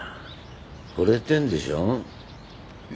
惚れてるんでしょ？